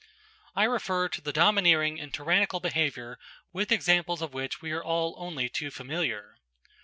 I refer to the domineering and tyrannical behaviour with examples of which we are all only too familiar.